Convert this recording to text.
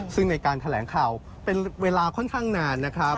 ซึ่งในการแถลงข่าวเป็นเวลาค่อนข้างนานนะครับ